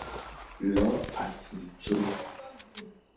Lo azicro.